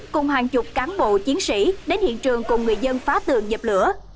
cùng hàng chục cán bộ chiến sĩ đến hiện trường cùng người dân phá tường dập lửa